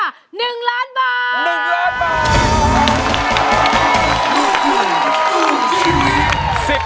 ๑ล้านบาท